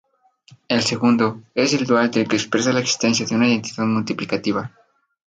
El segundo, es el dual del que expresa la existencia de una identidad multiplicativa.